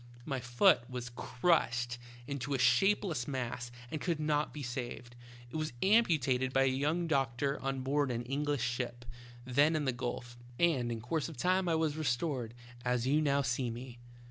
My foot was crushed into a shapeless mass and could not be saved ; it was amputated by a young doctor on board an English ship, then in the gulf, and in course of time I was restored, as you now see me."